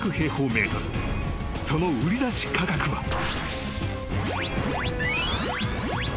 ［その売り出し価格は］